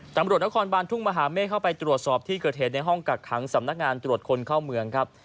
ตำรวจนครบานทุ่งมหาเมฆเข้าไปตรวจสอบที่เกิดเหตุในห้องกักขังสำนักงานตรวจคนเข้าเมืองครับ